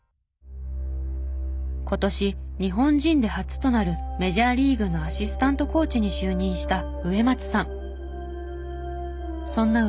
今年日本人で初となるメジャーリーグのアシスタントコーチに就任した植松さん。